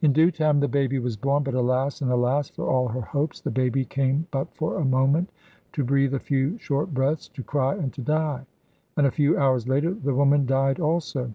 In due time the baby was born. But alas and alas for all her hopes! The baby came but for a moment, to breathe a few short breaths, to cry, and to die; and a few hours later the woman died also.